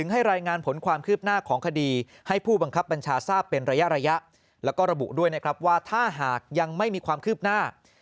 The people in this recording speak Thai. หลักกองโหนนี้ก็บุด้วยนะครับว่าถ้าหากยังไม่มีความคืบหน้า